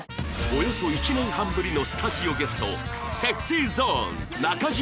およそ１年半ぶりのスタジオゲスト ＳｅｘｙＺｏｎｅ 中島健人